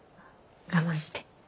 我慢して。